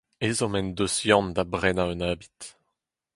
Ezhomm en deus Yann da brenañ un abid.